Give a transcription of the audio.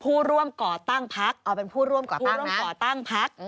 ผู้ร่วมก่อตั้งพักเอาเป็นผู้ร่วมกับผู้ร่วมก่อตั้งพัก